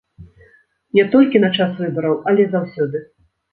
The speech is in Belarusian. Не толькі на час выбараў, але заўсёды.